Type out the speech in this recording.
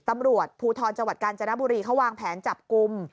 ตำรวจภูทรจังหวัดกาญจนบุรีเขาวางแผนจับกลุ่ม